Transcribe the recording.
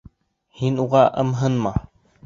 Һин уға ымһынма!